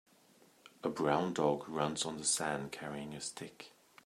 A brown dog runs on the sand carrying a stick.